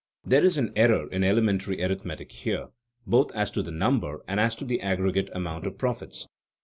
There is an error in elementary arithmetic here, both as to the number and as to the aggregate amount of profits.